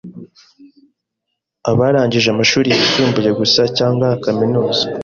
abarangije amashuri yisumbuye gusa cyangwa kaminuza